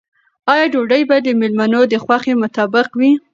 آیا ډوډۍ به د مېلمنو د خوښې مطابق وي؟